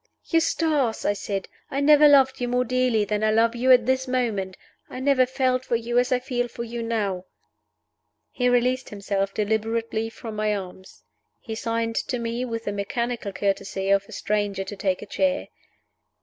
"Eustace!" I said, "I never loved you more dearly than I love you at this moment! I never felt for you as I feel for you now!" He released himself deliberately from my arms. He signed to me with the mechanical courtesy of a stranger to take a chair.